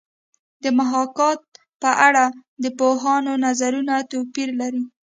د محاکات په اړه د پوهانو نظرونه توپیر لري